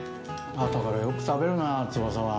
朝からよく食べるな、翼は。